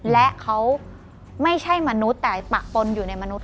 และเขาไม่ใช่มนุษย์แต่ปะปนอยู่ในมนุษย